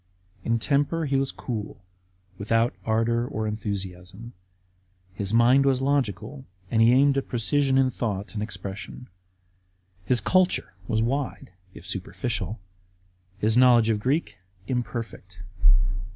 In temj)er he was cool, without ardour or enthusiasm. His mind was logical and he aimed at precision in thought and expression. His culture was wide, if superficial ; his knowledge of Greek imperfect.